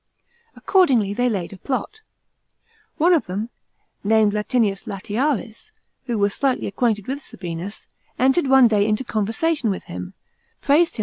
Accordingly they laid a plot. One of them, named Latinius Latiaris, who was slightly acquainted with Sabinus, entered one day into conversation with him, praised him for not • Juvenal, Sat.